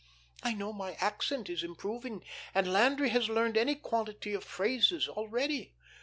I know my accent is improving, and Landry has learned any quantity of phrases already.